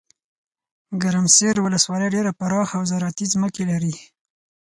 ګرمسیرولسوالۍ ډیره پراخه اوزراعتي ځمکي لري.